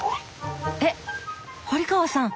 えっ堀川さん？